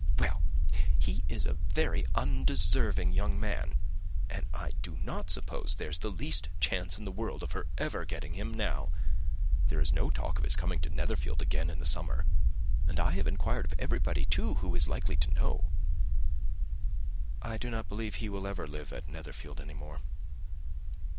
Well, he is a very undeserving young man and I do not suppose there is the least chance in the world of her ever getting him now. There is no talk of his coming to Netherfield again in the summer; and I have inquired of everybody, too, who is likely to know." [Illustration: "I am determined never to speak of it again" ] "I do not believe that he will ever live at Netherfield any more."